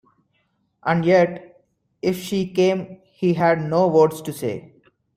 And yet if she came he had no words to say.